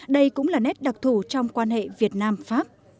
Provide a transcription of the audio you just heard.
đây cũng là nét đặc thủ trong quan hệ việt nam pháp